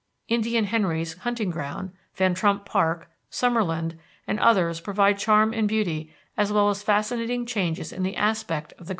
Indian Henry's Hunting Ground, Van Trump Park, Summerland, and others provide charm and beauty as well as fascinating changes in the aspect of the great mountain.